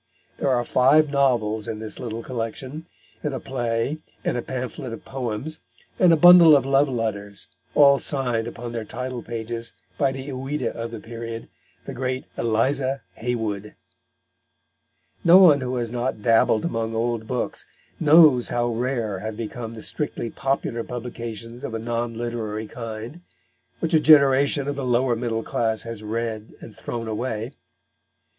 There are five novels in this little collection, and a play, and a pamphlet of poems, and a bundle of love letters, all signed upon their title pages by the Ouida of the period, the great Eliza Haywood. No one who has not dabbled among old books knows how rare have become the strictly popular publications of a non literary kind which a generation of the lower middle class has read and thrown away.